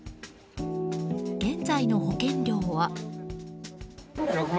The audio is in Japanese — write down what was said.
現在の保険料は。